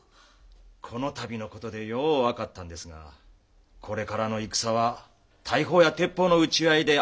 この度のことでよう分かったんですがこれからの戦は大砲や鉄砲の撃ち合いであらかた勝負がついてしまうんです。